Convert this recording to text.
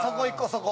そこ。